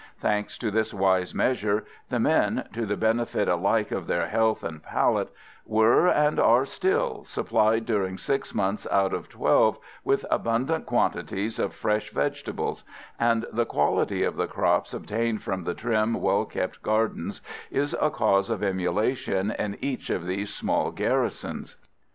Thanks to this wise measure the men, to the benefit alike of their health and palate, were, and are still, supplied during six months out of twelve with abundant quantities of fresh vegetables; and the quality of the crops obtained from the trim, well kept gardens is a cause of emulation in each of these small garrisons.